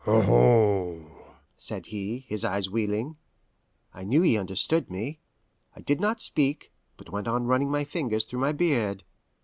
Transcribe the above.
"Aho!" said he, his eyes wheeling. I knew he understood me. I did not speak, but went on running my fingers through my beard.